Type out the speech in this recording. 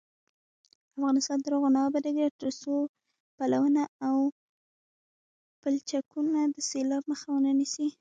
افغانستان تر هغو نه ابادیږي، ترڅو پلونه او پلچکونه د سیلاب مخه ونه نیسي.